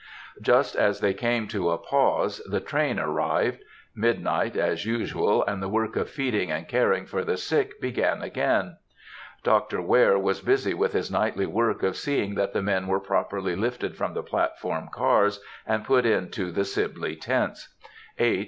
Just as they came to a pause the train arrived; midnight, as usual, and the work of feeding and caring for the sick began again. Dr. Ware was busy with his nightly work of seeing that the men were properly lifted from the platform cars and put into the Sibley tents; H.